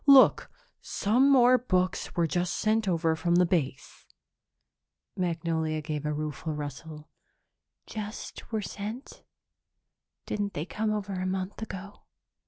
Look, some more books were just sent over from Base." Magnolia gave a rueful rustle. "Just were sent? Didn't they come over a month ago?"